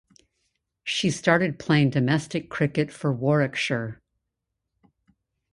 She started playing domestic cricket for Warwickshire.